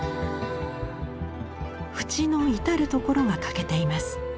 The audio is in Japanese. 縁の至る所が欠けています。